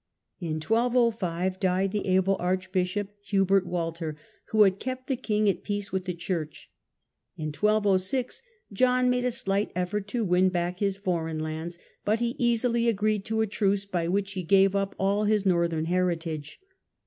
In 1 205 died the able Archbishop Hubert Walter, who had kept the king at peace with the church. In 1206 John made a slight effort to win back his foreign lands; , but he easily agreed to a truce by which he gave up all his northern heritage.